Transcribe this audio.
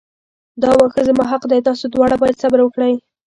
دا واښه زما حق دی تاسو دواړه باید صبر وکړئ.